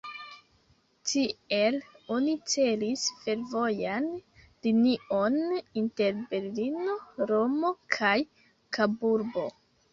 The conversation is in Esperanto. Tiel oni celis fervojan linion inter Berlino, Romo kaj Kaburbo.